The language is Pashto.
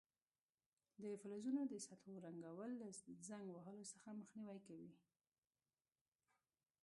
د فلزونو د سطحو رنګول له زنګ وهلو څخه مخنیوی کوي.